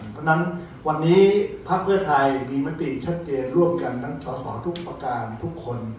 เพราะฉะนั้นวันนี้ภักดิ์เพื่อไทยมีมติชัดเจนร่วมกันทั้งสอสอทุกประการทุกคน